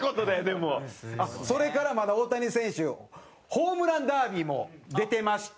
蛍原：それから、まだ大谷選手ホームランダービーも出てまして。